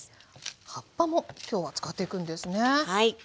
葉っぱも今日は使っていくんですね。